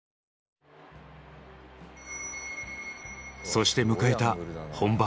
そして迎えた本番。